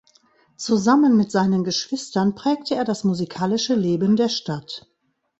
Zusammen mit seinen Geschwistern prägte er das musikalische Leben der Stadt.